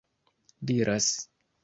diras